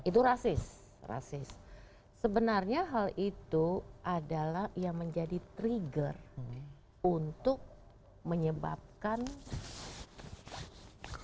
itu rasis rasis sebenarnya hal itu adalah yang menjadi trigger untuk menyebabkan